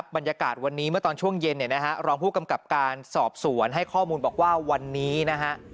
บรรยากาศวันนี้เมื่อตอนช่วงเย็นเนี่ยนะฮะรองผู้กำกับการสอบสวนให้ข้อมูลบอกว่าวันนี้นะฮะ